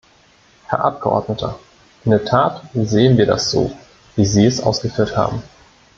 Herr Abgeordneter, in der Tat sehen wir das so, wie Sie es ausgeführt haben.